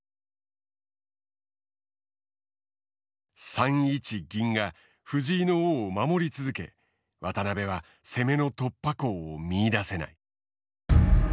３一銀が藤井の王を守り続け渡辺は攻めの突破口を見いだせない。